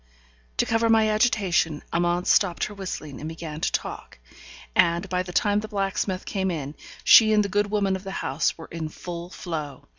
To cover my agitation, Amante stopped her whistling, and began to talk; and, by the time the blacksmith came in, she and the good woman of the house were in full flow.